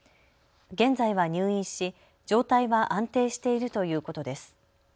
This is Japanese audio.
現在は入院し状態は安定しているということです。